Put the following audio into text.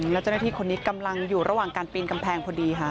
แล้วเจ้าหน้าที่คนนี้กำลังอยู่ระหว่างการปีนกำแพงพอดีค่ะ